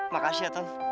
makasih ya ton